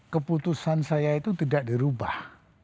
keputusan saya itu tidak dirubah